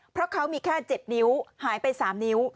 เพราะเขามีแค่๗นิ้วหายไป๓นิ้ว